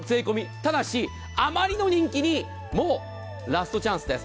ただし、あまりの人気にもうラストチャンスです。